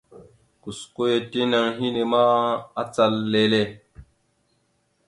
Gosko ya tinaŋ henne ma acal lele.